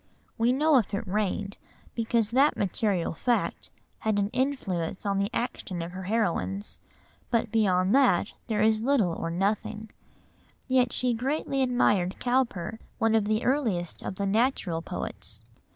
We know if it rained, because that material fact had an influence on the actions of her heroines, but beyond that there is little or nothing; yet she greatly admired Cowper, one of the earliest of the "natural" poets.